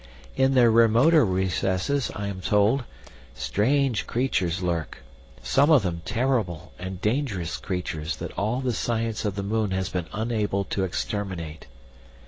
In their remoter recesses, I am told, strange creatures lurk, some of them terrible and dangerous creatures that all the science of the moon has been unable to exterminate.